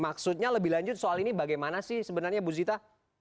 maksudnya lebih lanjut soal ini bagaimana sih sebenarnya bu zita